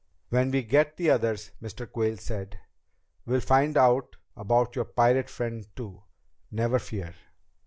"When we get the others," Mr. Quayle said, "we'll find out about your pirate friend too, never fear."